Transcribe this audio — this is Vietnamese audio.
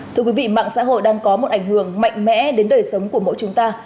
thưa quý vị mạng xã hội đang có một ảnh hưởng mạnh mẽ đến đời sống của mỗi chúng ta